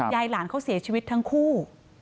ยายหลานเขาเสียชีวิตทั้งคู่